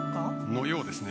のようですね。